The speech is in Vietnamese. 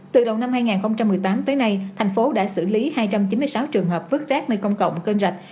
từ đầu năm hai nghìn một mươi tám tới nay thành phố đã xử lý hai trăm chín mươi sáu trường hợp vứt rác nơi công cộng kênh rạch